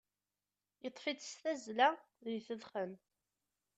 Yeṭṭef-itt s tazzla deg tedxent.